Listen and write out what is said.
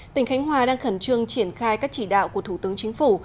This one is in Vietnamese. tỉnh khánh hòa đang khẩn trương triển khai các chỉ đạo của thủ tướng chính phủ